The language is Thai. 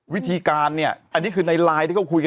วิธีการเนี่ยอันนี้คือในไลน์ที่เขาคุยกัน